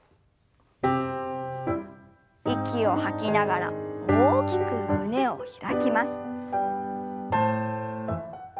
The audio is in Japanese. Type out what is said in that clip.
息を吐きながら大きく胸を開きます。